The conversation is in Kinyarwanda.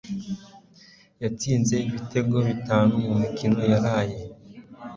yatsinze ibitego bitatu mumikino yaraye